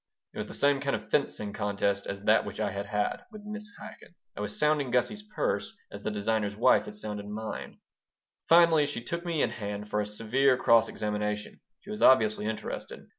'" It was the same kind of fencing contest as that which I had had with Mrs. Chaikin. I was sounding Gussie's purse as the designer's wife had mine. Finally she took me in hand for a severe cross examination. She was obviously interested.